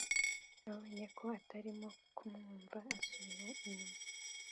abonye ko atarimo kumwumva asubira inyuma